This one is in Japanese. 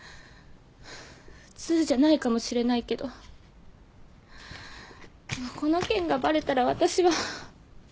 普通じゃないかもしれないけどでもこの件がバレたら私は。